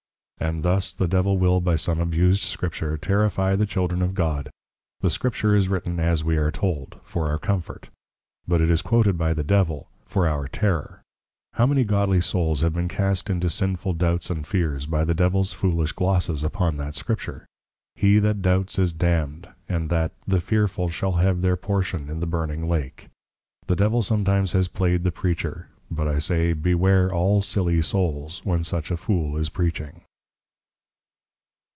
_ And thus the Devil will by some abused Scripture, Terrifie the Children of God; the Scripture is written as we are told, For our Comfort; but it is quoted by the Devil, for our terror. How many Godly Souls have been cast into sinful Doubts and Fears, by the Devils foolish glosses upon that Scripture, He that doubts is Damned; and that, the fearful shall have their portion in the burning Lake; The Devil sometimes has play'd the Preacher, but I say, _Beware all silly Souls when such a fool is Preaching.